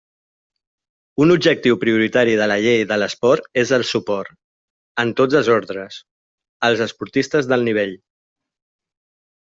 Un objectiu prioritari de la Llei de l'Esport és el suport, en tots els ordres, als esportistes d'alt nivell.